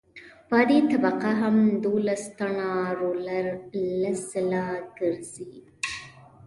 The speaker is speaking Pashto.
په دې طبقه هم دولس ټنه رولر لس ځله ګرځي